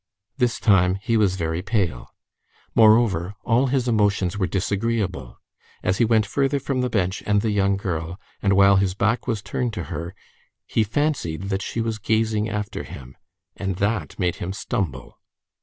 This time, he was very pale. Moreover, all his emotions were disagreeable. As he went further from the bench and the young girl, and while his back was turned to her, he fancied that she was gazing after him, and that made him stumble.